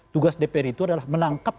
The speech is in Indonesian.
tugas dpr itu adalah menangkap